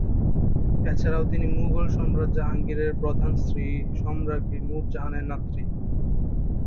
এছাড়াও তিনি মুঘল সম্রাট জাহাঙ্গীরের প্রধান স্ত্রী সম্রাজ্ঞী নূর জাহানের নাতনী।